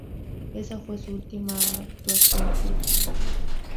Esa fue su última actuación pública.